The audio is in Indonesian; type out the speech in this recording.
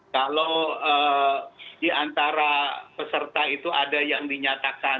kalau di antara peserta itu ada yang dinyatakan